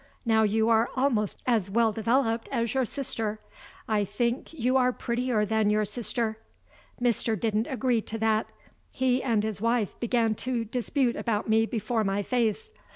Now you are almost as well developed as your sister. I think you are prettier than your sister." Mr. didn't agree to that. He and his wife began to dispute about me before my face.